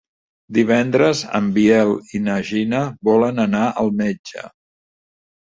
Divendres en Biel i na Gina volen anar al metge.